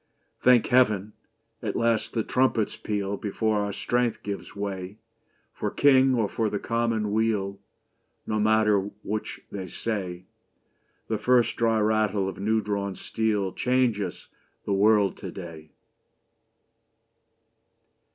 Thank Heaven ! At last the trumpets peal Before our strength gives way. For King or for the Commonweal No matter which they say, The first dry rattle of new drawn steel Changes the world to day